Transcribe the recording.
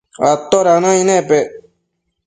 atoda naic nepec